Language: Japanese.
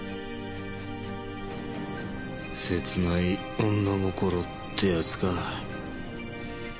切ない女心ってやつか。